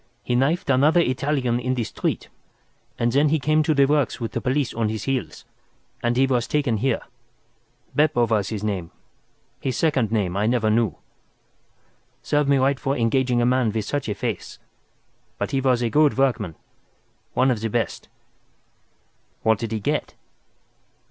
He knifed another Italian in the street, and then he came to the works with the police on his heels, and he was taken here. Beppo was his name—his second name I never knew. Serve me right for engaging a man with such a face. But he was a good workman—one of the best." "What did he get?"